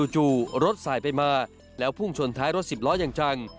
จู่รถสายไปมาแล้วพุ่งชนท้ายรถสิบล้ออย่างจัง